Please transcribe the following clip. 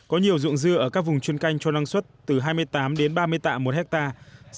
có nhiều ruộng dưa ở các vùng chuyên canh cho năng suất từ hai mươi tám đến ba mươi tạ một hectare